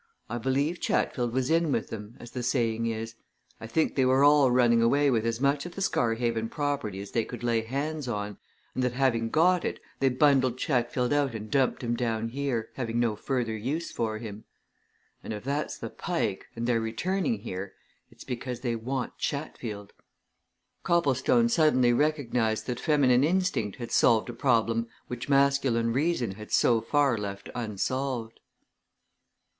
I believe Chatfield was in with them, as the saying is. I think they were all running away with as much of the Scarhaven property as they could lay hands on and that having got it, they bundled Chatfield out and dumped him down here, having no further use for him. And, if that's the Pike, and they're returning here, it's because they want Chatfield!" Copplestone suddenly recognized that feminine instinct had solved a problem which masculine reason had so far left unsolved.